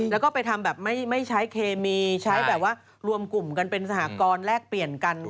แล้วก็ไปทำแบบไม่ใช้เคมีใช้แบบว่ารวมกลุ่มกันเป็นสหกรณ์แลกเปลี่ยนกัน